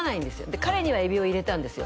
で彼にはエビを入れたんですよ